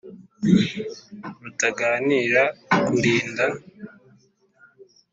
Rutaganira kulinda.